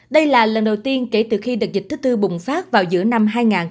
đây là lần đầu tiên kể từ khi đợt dịch thứ tư bùng phát vào giữa năm hai nghìn một mươi bốn